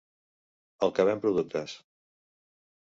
El que ven productes.